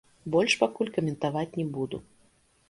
Больш пакуль каментаваць не буду.